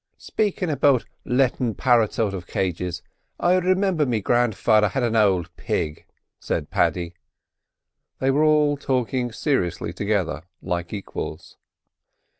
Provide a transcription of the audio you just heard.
"Spakin' about lettin' par'ts out of cages, I remimber me grandfather had an ould pig," said Paddy (they were all talking seriously together like equals).